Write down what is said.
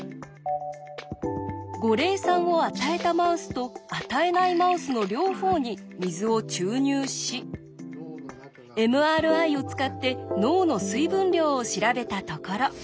五苓散を与えたマウスと与えないマウスの両方に水を注入しＭＲＩを使って脳の水分量を調べたところ。